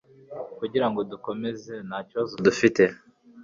kugirango dukomeze nta kibazo dufite